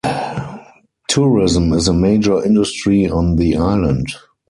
Tourism is a major industry on the island.